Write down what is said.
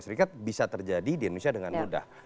serikat bisa terjadi di indonesia dengan mudah